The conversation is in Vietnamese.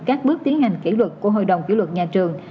các bước tiến hành kỷ luật của hội đồng kỷ luật nhà trường